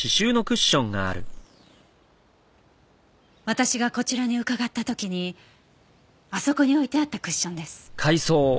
私がこちらに伺った時にあそこに置いてあったクッションです。